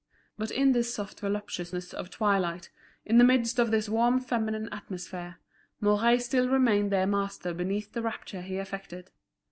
But in this soft voluptuousness of twilight, in the midst of this warm feminine atmosphere, Mouret still remained their master beneath the rapture he affected.